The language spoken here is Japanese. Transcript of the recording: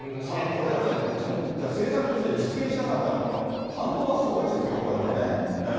ただこれ、やっぱりでも政策として実現しなかったら、反動はすごいですよ、これはね。